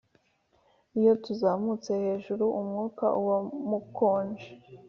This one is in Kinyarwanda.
iyo tuzamutse hejuru, umwuka uba mukonje.